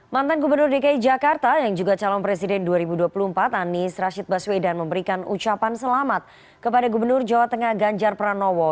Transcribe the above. mantan gubernur dki jakarta yang juga calon presiden dua ribu dua puluh empat anies rashid baswedan memberikan ucapan selamat kepada gubernur jawa tengah ganjar pranowo